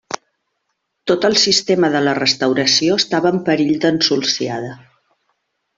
Tot el sistema de la Restauració estava en perill d'ensulsiada.